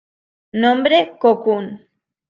Nombre: "Cocoon".